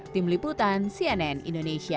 tim liputan cnn indonesia